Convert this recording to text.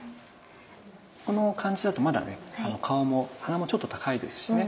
この感じだとまだね鼻もちょっと高いですしね。